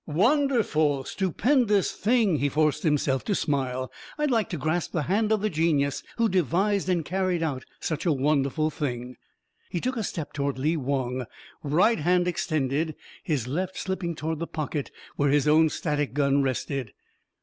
"Wonderful, stupendous thing," he forced himself to smile. "I'd like to grasp the hand of the genius who devised and carried out such a wonderful thing." He took a step toward Lee Wong, right hand extended, his left slipping toward the pocket where his own static gun rested.